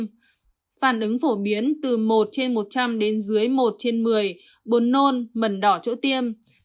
phản ứng phổ biến từ một trên một trăm linh đến dưới một trên một mươi buồn nôn mần đỏ chỗ tiêm